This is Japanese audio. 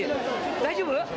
大丈夫？